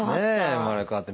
生まれ変わって。